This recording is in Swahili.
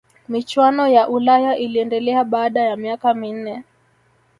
michuano ya ulaya iliendelea baada ya miaka minne